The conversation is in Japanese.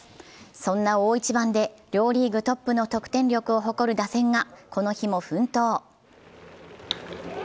そんな大一番で両リーグトップの打点力を誇る打線が、この日も奮闘。